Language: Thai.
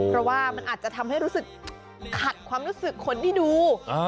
เพราะว่ามันอาจจะทำให้รู้สึกขัดความรู้สึกคนที่ดู